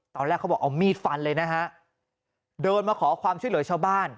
เขาบอกเอามีดฟันเลยนะฮะเดินมาขอความช่วยเหลือชาวบ้าน